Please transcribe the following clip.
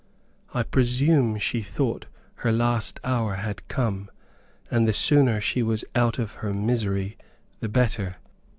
I presume she thought her last hour had come, and the sooner she was out of her misery the better.